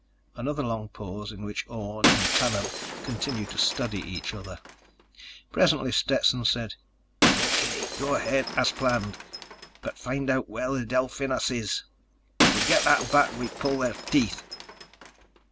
_ Another long pause in which Orne and Tanub continued to study each other. Presently, Stetson said: "O.K. Go ahead as planned. But find out where the Delphinus _is! If we get that back we pull their teeth."